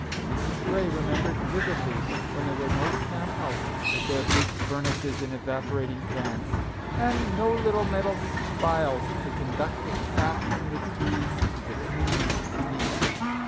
Mrs. Grey remembered vividly when there were no camp houses, with their big furnaces and evaporating pans, and no little metal <c spiles " to conduct the sap from the trees to the tins beneath.